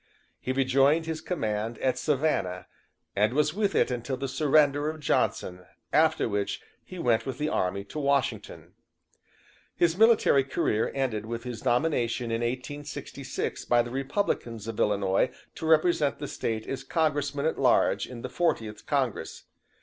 He rejoined his command at Savannah, and was with it until the surrender of Johnson, after which he went with the army to Washington. "His military career ended with his nomination in 1866 by the Republicans of Illinois to represent the State as Congressman at large in the Fortieth Congress.